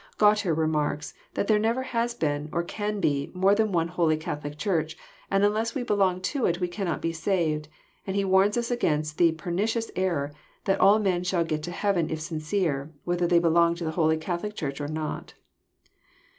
Gualter remarks that there never has been, or can be, more than one Holy Catholic Church, and unless we belong to it we cannot be saved, and he warns us against the pernicious error that all men shall get to heaven if sincere, whether they belong to the Holy Catholic Church or not.